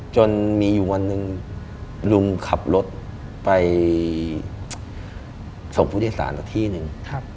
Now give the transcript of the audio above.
จนมีอีกวันหนึ่งลุงขับรถไปส่งฟุติศาสตร์ที่หนึ่ง